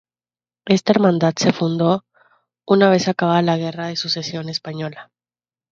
Esta hermandad se fundó una vez acabada la Guerra de Sucesión Española.